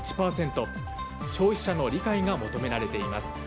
消費者の理解が求められています。